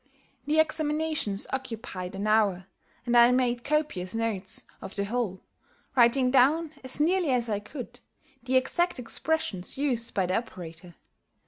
The examinations occupied an hour, and I made copious notes of the whole, writing down, as nearly as I could, the exact expressions used by the operator.